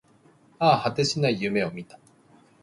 ああ、果てしない夢を見た